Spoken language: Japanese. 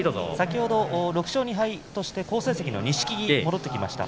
６勝２敗として好成績の錦木が戻ってきました。